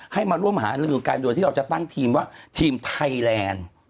ให้มาร่วมหารือกันโดยที่เราจะตั้งทีมว่าทีมไทยแลนด์